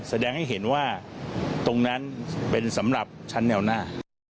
แสดงให้เห็นว่าตรงนั้นเป็นสำหรับชั้นแนวหน้า